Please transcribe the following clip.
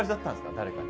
誰かに。